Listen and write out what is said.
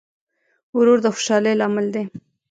ورور د خوشحالۍ لامل دی.